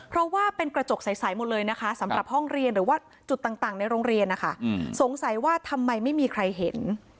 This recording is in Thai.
เพราะว่าเป็นกระจกใสหมดเลยนะคะสำหรับห้องเรียนหรือว่าจุดต่างในโรงเรียนนะคะสงสัยว่าทำไมไม่มีใครเห็น